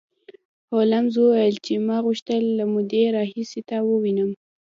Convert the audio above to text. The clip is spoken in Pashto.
هولمز وویل چې ما غوښتل له مودې راهیسې تا ووینم